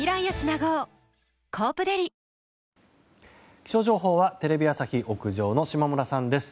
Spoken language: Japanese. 気象情報はテレビ朝日屋上の下村さんです。